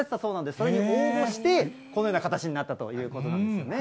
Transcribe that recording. それに応募して、このような形になったということなんですよね。